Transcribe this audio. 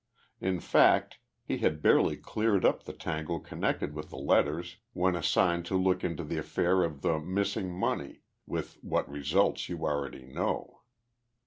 In fact, he had barely cleared up the tangle connected with the letters when assigned to look into the affair of the missing money, with what results you already know.